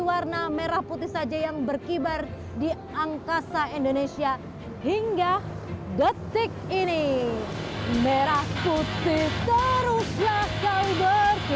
warna merah putih saja yang berkibar di angkasa indonesia hingga detik ini merah putih teruslah kau ber